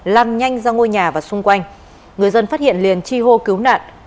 lan nhanh ra ngôi nhà và xung quanh người dân phát hiện liền chi hô cứu nạn